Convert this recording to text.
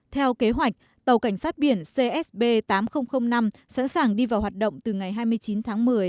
theo kế hoạch tàu cảnh sát biển csb tám nghìn năm sẵn sàng đi vào hoạt động từ ngày hai mươi chín tháng một mươi